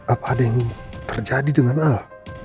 apa ada yang terjadi dengan allah